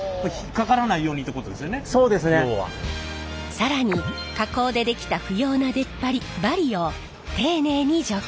更に加工で出来た不要な出っ張りバリを丁寧に除去。